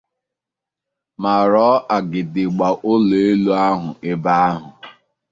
ma rụọ agidigba ụlọ elu ọhụụ ebe ahụ